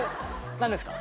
何ですか？